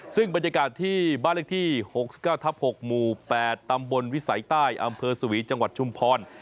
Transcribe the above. ซึ่งบรรยากาศที่บ้านเลขที่๖๙ทับ๖หมู่๘ตำบลวิสัยใต้อำเภอสวีจังหวัดชุมพร